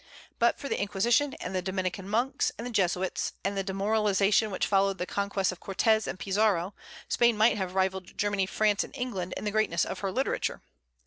But for the Inquisition, and the Dominican monks, and the Jesuits, and the demoralization which followed the conquests of Cortés and Pizarro, Spain might have rivalled Germany, France, and England in the greatness of her literature.